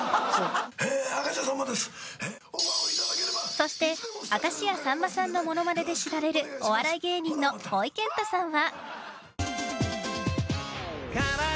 そして、明石家さんまさんのモノマネで知られるお笑い芸人のほいけんたさんは。